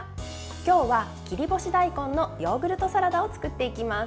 今日は切り干し大根のヨーグルトサラダを作っていきます。